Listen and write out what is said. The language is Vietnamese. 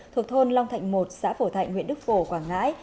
thuộc thôn long thạnh một xã phổ thạnh huyện đức phổ quảng ngãi